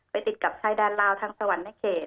ไปติดกับชายแดนลาวทางสวรรค์แน่เขต